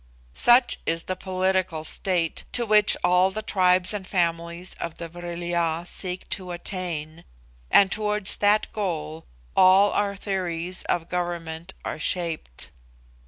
Such is the political state to which all the tribes and families of the Vril ya seek to attain, and towards that goal all our theories of government are shaped.